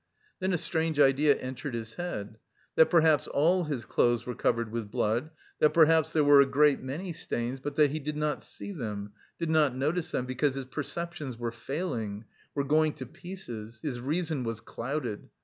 Then a strange idea entered his head; that, perhaps, all his clothes were covered with blood, that, perhaps, there were a great many stains, but that he did not see them, did not notice them because his perceptions were failing, were going to pieces... his reason was clouded....